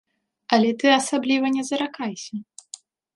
Але ты асабліва не заракайся.